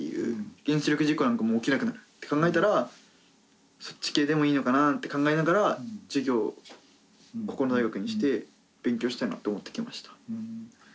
原子力事故なんかも起きなくなるって考えたらそっち系でもいいのかななんて考えながら授業をここの大学にして勉強したいなと思って来ました。